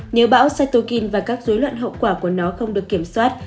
nếu bão saitokin và các dối loạn hậu quả của nó không được kiểm soát